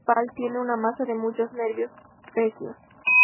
La raíz principal tiene una masa de muchos nervios, recios.